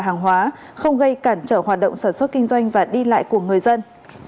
hàng hóa không gây cản trở hoạt động sản xuất kinh doanh và đi lại của người dân